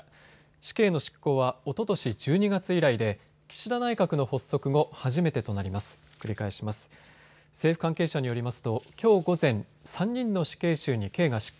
死刑の執行はおととし１２月以来で岸田内閣の発足後、初めてとなります。